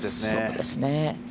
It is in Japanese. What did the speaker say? そうですね。